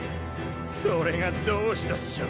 それがどうしたっショ。